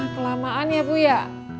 kelamaan ya bu ya